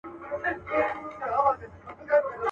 نه سور وي په محفل کي نه مطرب نه به غزل وي.